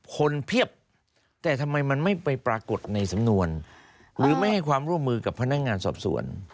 เพียบแต่ทำไมมันไม่ไปปรากฏในสำนวนหรือไม่ให้ความร่วมมือกับพนักงานสอบสวน